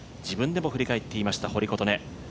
自分でも振り返っていました、堀琴音。